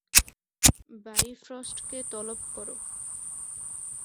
বাইফ্রস্টকে তলব করো।